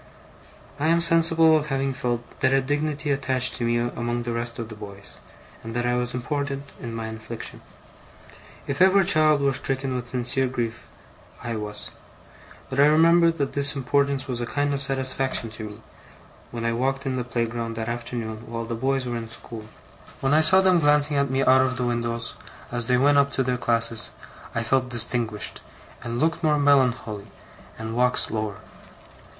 I am sensible of having felt that a dignity attached to me among the rest of the boys, and that I was important in my affliction. If ever child were stricken with sincere grief, I was. But I remember that this importance was a kind of satisfaction to me, when I walked in the playground that afternoon while the boys were in school. When I saw them glancing at me out of the windows, as they went up to their classes, I felt distinguished, and looked more melancholy, and walked slower.